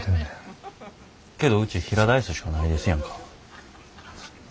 けどうち平ダイスしかないですやんか。